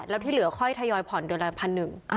แล้วที่เหลือค่อยทยอยผ่อนเดือนละ๑๑๐๐